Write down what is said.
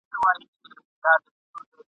انګرېز پرې چاړه کښېښودل.